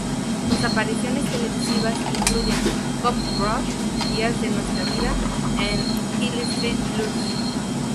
Sus apariciones Televisivas incluyen: "Cop Rock", "Dias de nuestra vida" and "Hill Street Blues".